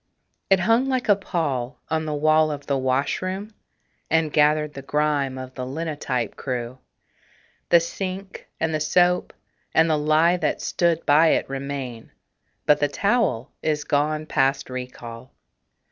It hung like a pall on the wall of the washroom, And gathered the grime of the linotype crew. The sink and the soap and the lye that stood by it Remain; but the towel is gone past recall.